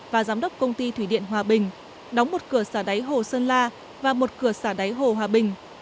và giám đốc công ty thủy điện hòa bình đóng một cửa xả đáy hồ sơn la và một cửa xả đáy hồ hòa bình